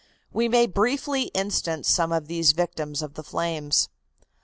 We may briefly instance some of these victims of the flames.